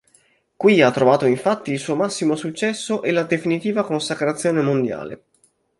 Qui ha trovato infatti il suo massimo successo e la definitiva consacrazione mondiale.